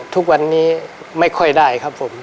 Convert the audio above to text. ทุกวันนี้ไม่ค่อยได้ครับผม